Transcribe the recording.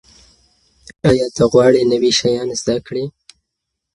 ایا ته غواړې نوي شیان زده کړې؟